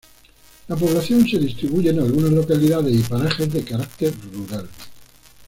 La población se distribuye en algunas localidades y parajes de carácter rural.